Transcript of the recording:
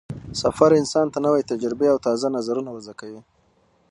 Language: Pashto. سفر انسان ته نوې تجربې او تازه نظرونه ور زده کوي